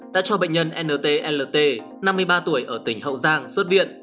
đã cho bệnh nhân nt năm mươi ba tuổi ở tỉnh hậu giang xuất viện